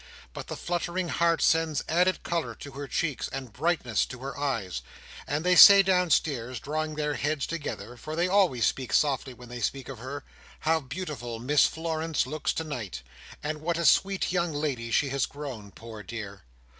But the fluttering heart sends added colour to her cheeks, and brightness to her eyes; and they say downstairs, drawing their heads together—for they always speak softly when they speak of her—how beautiful Miss Florence looks tonight, and what a sweet young lady she has grown, poor dear!